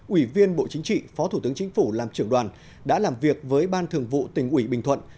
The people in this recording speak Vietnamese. ủy viên bộ chính trị phó thủ tướng chính phủ làm trưởng đoàn đã làm việc với ban thường vụ tỉnh ủy bình thuận